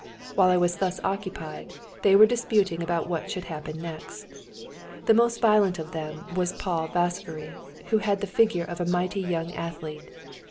While I was thus occupied, they were disputing about what should happen next. The most violent of them was Paul Vasváry, who had the figure of a mighty young athlete.